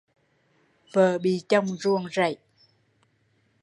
Vợ bị chồng duồng dẫy